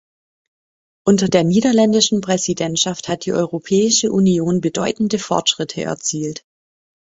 Unter der niederländischen Präsidentschaft hat die Europäische Union bedeutende Fortschritte erzielt.